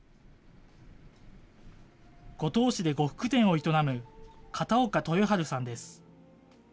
五島市で呉服店を営む片岡豊治さんです。